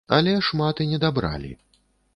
Але шмат і недабралі.